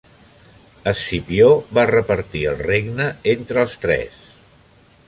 Escipió va repartir el regne entre els tres.